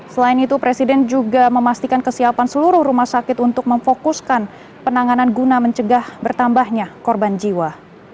selain itu presiden juga memastikan kesiapan seluruh rumah sakit untuk memfokuskan penanganan guna mencegah bertambahnya korban jiwa